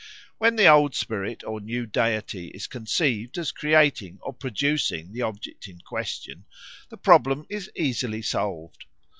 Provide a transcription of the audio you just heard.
When the old spirit or new deity is conceived as creating or producing the object in question, the problem is easily solved.